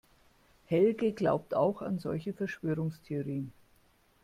Helge glaubt auch an solche Verschwörungstheorien.